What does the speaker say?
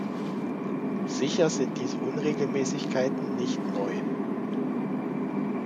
Sicher sind diese Unregelmäßigkeiten nicht neu.